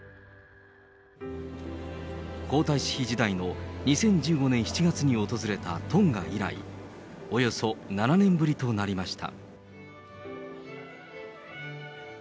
皇太子妃時代の２０１５年７月に訪れたトンガ以来、およそ７年ぶりとなりました。